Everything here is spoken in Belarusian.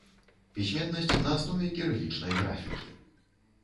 Пісьменнасць на аснове кірылічнай графікі.